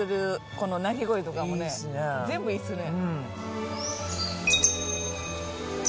この鳴き声とかもねいいっすね全部いいっすね